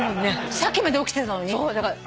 さっきまで起きてたのに？